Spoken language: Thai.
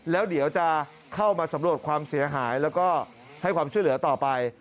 แล้วเดี๋ยวจะเข้ามาสำรวจความเสียหายแล้วก็ให้ความช่วยเหลือต่อไป